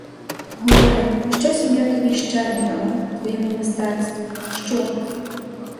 Говори, що сім'я тобі ще не дала, твоєму мистецтву, що?